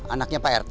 anaknya pak rt